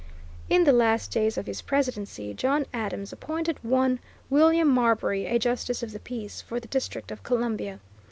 In the last days of his presidency John Adams appointed one William Marbury a justice of the peace for the District of Columbia.